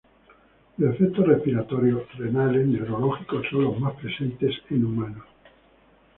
Los efectos respiratorios, renales, neurológicos son los más presentes en humanos.